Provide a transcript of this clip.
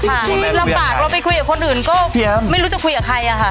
จริงจริงลำบากเราไปคุยกับคนอื่นก็เพียงไม่รู้จะคุยกับใครอะค่ะ